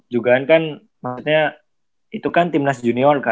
juga kan kan maksudnya itu kan timnas junior kan